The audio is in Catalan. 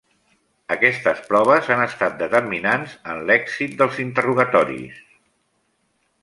Aquestes proves han estat determinants en l'èxit dels interrogatoris.